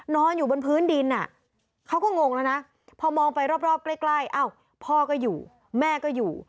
นอนอยู่บนพื้นดินเขาก็งงแล้วนะพอมองไปรอบใกล้พ่อก็อยู่แม่ก็อยู่